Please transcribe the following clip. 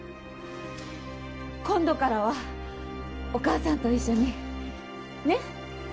今度からはお母さんと一緒にねっ？